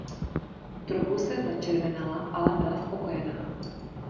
Trochu se začervenala, ale byla spokojená.